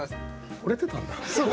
惚れてたんだ。